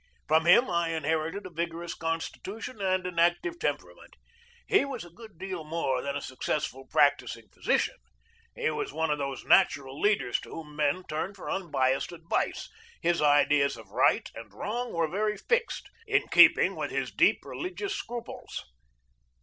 From him I inherited a vigorous constitution and an active temperament. He was a good deal more than a suc cessful practising physician. He was one of those natural leaders to whom men turn for unbiassed ad vice. His ideas of right and wrong were very fixed, in keeping with his deep religious scruples.